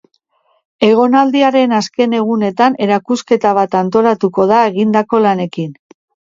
Egonaldiaren azken egunetan erakusketa bat antolatuko da egidako lanekin.